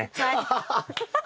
ハハハッ。